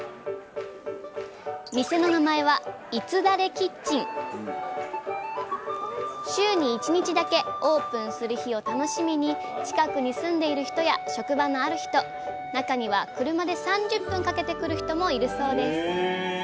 店の名前は週に１日だけオープンする日を楽しみに近くに住んでいる人や職場のある人中には車で３０分かけてくる人もいるそうです